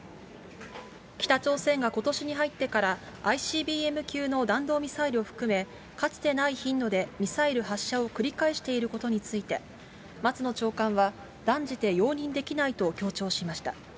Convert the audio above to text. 北朝鮮がことしに入ってから、ＩＣＢＭ級の弾道ミサイルを含め、かつてない頻度でミサイル発射を繰り返していることについて、松野長官は断じて容認できないと強調しました。